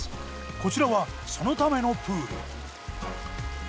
こちらはそのためのプール。